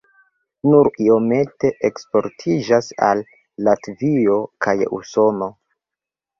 Nur iomete eksportiĝas al Latvio kaj Usono.